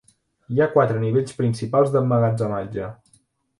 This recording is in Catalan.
Hi ha quatre nivells principals d'emmagatzematge.